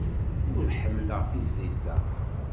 Ur ḥemmleɣ tizlit-a.